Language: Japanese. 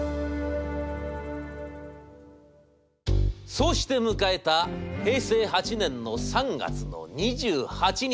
「そうして迎えた平成８年の３月の２８日。